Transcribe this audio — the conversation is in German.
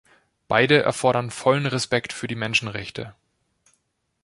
Beide erfordern vollen Respekt für die Menschenrechte.